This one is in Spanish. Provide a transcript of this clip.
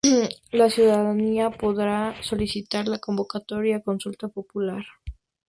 La ciudadanía podrá solicitar la convocatoria a consulta popular.